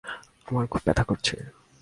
আমার খুব ব্যথা করছে।